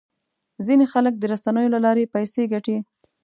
ځینې خلک د رسنیو له لارې پیسې ګټي.